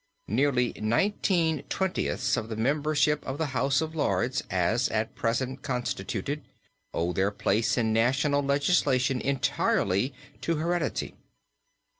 Nearly nineteen twentieths of the membership of the House of Lords, as at present constituted, owe their place in national legislation entirely to heredity.